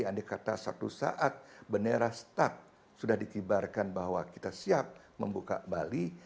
andai kata satu saat bendera start sudah dikibarkan bahwa kita siap membuka bali